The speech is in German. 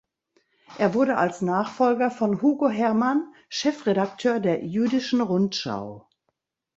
Er wurde als Nachfolger von Hugo Herrmann Chefredakteur der "Jüdischen Rundschau".